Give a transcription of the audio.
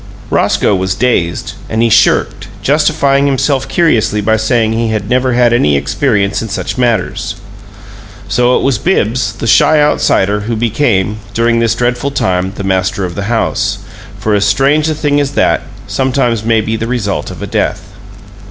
Roscoe was dazed, and he shirked, justifying himself curiously by saying he "never had any experience in such matters." So it was Bibbs, the shy outsider, who became, during this dreadful little time, the master of the house; for as strange a thing as that, sometimes, may be the result of a death.